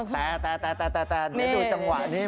แต่เดี๋ยวดูจังหวะนี้